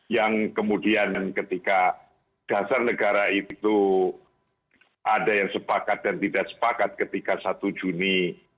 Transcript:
yang kemudian ketika dasar negara itu ada yang sepakat dan tidak sepakat ketika satu juni seribu sembilan ratus empat puluh lima